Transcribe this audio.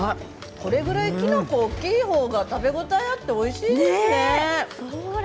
これぐらい、きのこ大きいほうが食べ応えがあっておいしいですね。